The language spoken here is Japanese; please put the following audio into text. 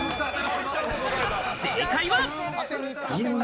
正解は。